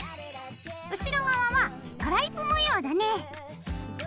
後ろ側はストライプ模様だね！